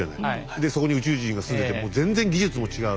でそこに宇宙人が住んでてもう全然技術も違う。